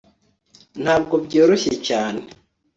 ntabwo byoroshye cyane